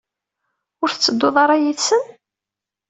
Ur tettedduḍ ara yid-sen?